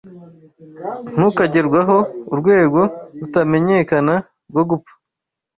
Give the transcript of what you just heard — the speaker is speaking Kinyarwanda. Ntukagerwaho, Urwego rutamenyekana, rwo gupfa!